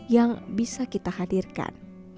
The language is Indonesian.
yang bisa kita hadirkan